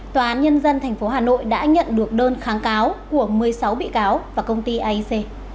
tòa án nhân dân tp hà nội đã nhận được đơn kháng cáo của một mươi sáu bị cáo và công ty aic